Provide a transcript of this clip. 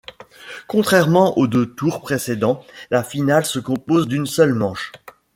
Contrairement aux deux tours précédents, la finale se compose d'une seule manche.